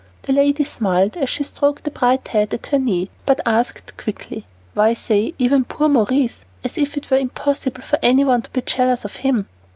My lady smiled, as she stroked the bright head at her knee, but asked quickly, "Why say 'even poor Maurice,' as if it were impossible for anyone to be jealous of him?"